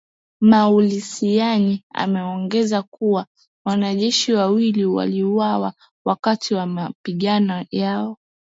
Mualushayi ameongeza kuwa, wanajeshi wawili waliuawa wakati wa mapigano hayo